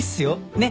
ねっ？